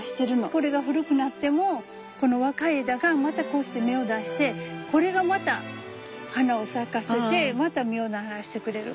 これが古くなってもこの若い枝がまたこうして芽を出してこれがまた花を咲かせてまた実をならしてくれる。